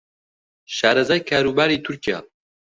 شارەزای کاروباری تورکیا